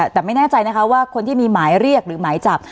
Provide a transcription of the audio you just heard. แต่ไม่แน่ใจนะคะว่าคนที่มีหมายเรียกหรือหมายจับ